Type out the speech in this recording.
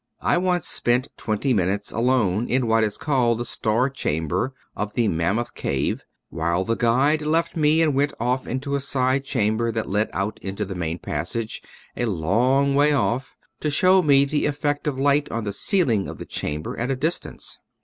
I once spent twenty minutes alone in what is called the star chamber of the Mammoth Cave, while the guide left me and went off into a side chamber that led out into the main passage a long way off to show me the effect of light on the ceiling of the chamber at a dis tance.